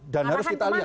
dan harus kita lihat